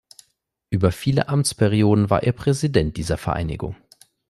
Über viele Amtsperioden war er Präsident dieser Vereinigung.